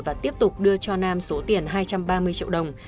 và tiếp tục đưa cho nam số tiền hai trăm ba mươi triệu đồng